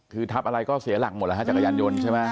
คือทับอะไรก็เสียหลักหมดแล้วฮะจักรยานยนต์ใช่ไหม